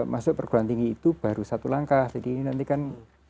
masuk perguruan tinggi itu baru satu langkah jadi ini nanti kan